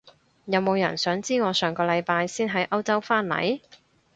有冇人想知我上個禮拜先喺歐洲返嚟？